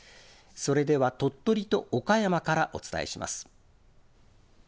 それでは鳥取と岡山からお伝えします。